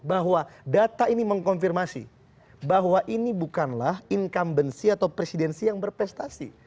bahwa data ini mengkonfirmasi bahwa ini bukanlah incumbency atau presidensi yang berprestasi